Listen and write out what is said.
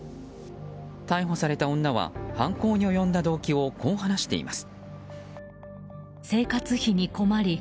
逮捕された女は犯行に及んだ動機をこう話しています。